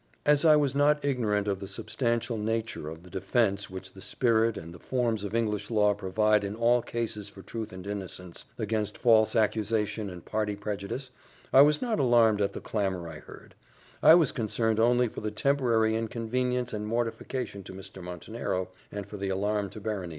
As I was not ignorant of the substantial nature of the defence which the spirit and the forms of English law provide in all cases for truth and innocence, against false accusation and party prejudice, I was not alarmed at the clamour I heard; I was concerned only for the temporary inconvenience and mortification to Mr. Montenero, and for the alarm to Berenice.